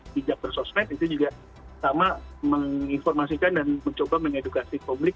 di jakarta sosmed itu juga sama menginformasikan dan mencoba mengedukasi publik